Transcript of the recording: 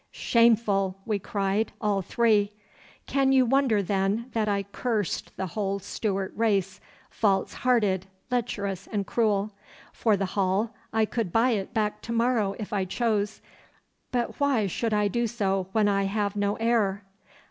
'Shameful!' we cried, all three. 'Can you wonder, then, that I cursed the whole Stuart race, false hearted, lecherous, and cruel? For the Hall, I could buy it back to morrow if I chose, but why should I do so when I have no heir?